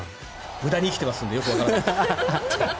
無駄に生きてますのでよくわからないです。